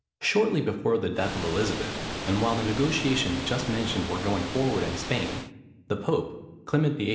Shortly before the death of Elizabeth, and while the negotiations just mentioned were going forward in Spain, the pope, Clement VIII.